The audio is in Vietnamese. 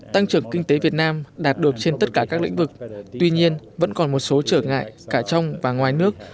tăng trưởng kinh tế việt nam đạt được trên tất cả các lĩnh vực tuy nhiên vẫn còn một số trở ngại cả trong và ngoài nước